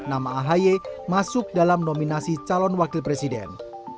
nama ahy masuk dalam nominasi calon wakil presiden